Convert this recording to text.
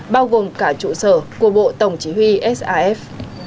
bao gồm cả trụ sở của bộ tổng chỉ huy saf